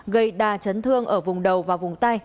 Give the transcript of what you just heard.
gây đa chấn thương ở vùng đầu và vùng tay